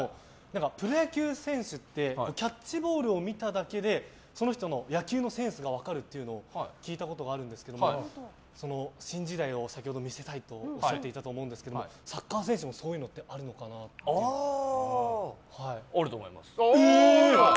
プロ野球選手ってキャッチボールを見ただけでその人の野球のセンスが分かるっていうのを聞いたことがあるんですが新時代を見せたいとおっしゃっていたと思うんですがサッカー選手もあると思います。